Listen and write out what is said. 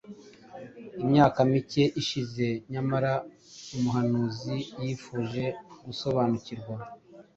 Imyaka mike ishize, nyamara, umuhanuzi yifuje gusobanukirwa